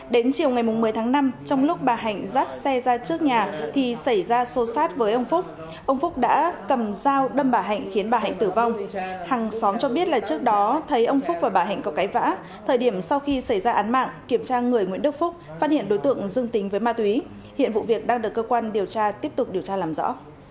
đến chiều ngày một mươi tháng năm trong lúc bà hạnh dắt xe ra trước nhà thì xảy ra xô xát với ông phúc ông phúc đã cầm dao đâm bà hạnh khiến bà hạnh tử vong hằng xóm cho biết là trước đó thấy ông phúc và bà hạnh có cái vã thời điểm sau khi xảy ra án mạng kiểm tra người nguyễn đức phúc phát hiện đối tượng dương tính với ma túy hiện vụ việc đang được cơ quan điều tra tiếp tục điều tra làm rõ